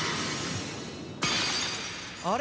あれ？